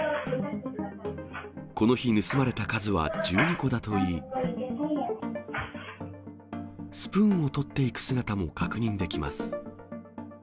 この日、盗まれた数は１２個だといい、スプーンを取っていく姿も確認できます。